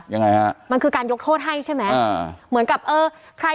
ยังไงฮะมันคือการยกโทษให้ใช่ไหมอ่าเหมือนกับเออใคร